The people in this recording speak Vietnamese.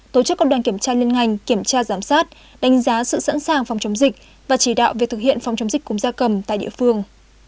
tổ chức các đoàn kiểm tra liên ngành kiểm tra giám sát đánh giá sự sẵn sàng phòng chống dịch và chỉ đạo việc thực hiện phòng chống dịch cúm gia cầm tại địa phương